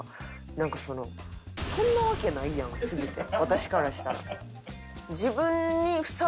なんかそのそんなわけないやんすぎて私からしたら。